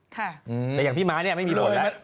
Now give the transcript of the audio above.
แต่อย่างพี่ม้าเนี่ยไม่มีโหลดแล้ว